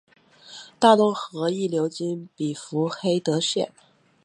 大洞河亦流经比弗黑德县。